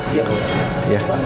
iya pak ustadz